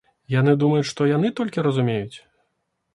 Яны думаюць, што яны толькі разумеюць?